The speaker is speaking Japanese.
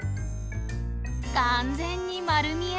完全に丸見え！